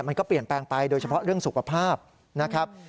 มันก็เปลี่ยนแปลงไปโดยเฉพาะเรื่องสุขภาพนะครับ